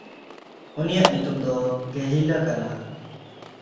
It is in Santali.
ᱩᱱᱤᱭᱟᱜ ᱧᱩᱛᱩᱢ ᱫᱚ ᱠᱮᱦᱤᱞᱟ ᱠᱟᱱᱟ᱾